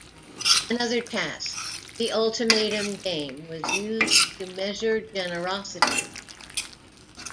Another task, the Ultimatum Game, was used to measure generosity.